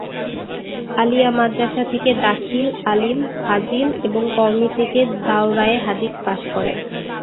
আলিয়া মাদরাসা থেকে দাখিল, আলিম, ফাযিল এবং কওমী থেকে দাওরায়ে হাদীস পাশ করেন।